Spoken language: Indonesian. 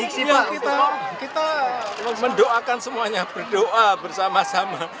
kita mendoakan semuanya berdoa bersama sama